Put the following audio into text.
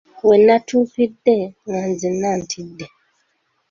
We natuukidde nga nzenna ntidde.